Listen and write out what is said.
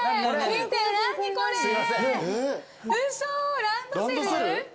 嘘ランドセル？